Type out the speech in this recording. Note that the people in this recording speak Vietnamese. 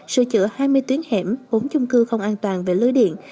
sửa chữa hai mươi tuyến hẻm bốn chung cư không an toàn về lưới điện